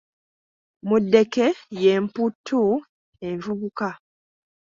Muddeke y’emputtu envubuka.